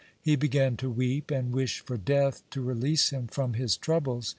He began to weep and wish for death to release him from his troubles.